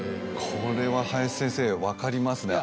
これは林先生分かります？